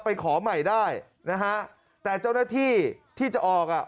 ขอใหม่ได้นะฮะแต่เจ้าหน้าที่ที่จะออกอ่ะ